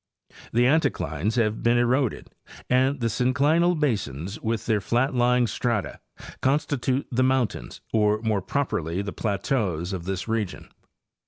The anticlines have been eroded, and the synclinal basins, with their flat lying strata, constitute the mountains or more properly the plateaus of this region.